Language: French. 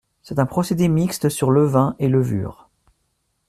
C'est un procédé mixte sur levain et levure.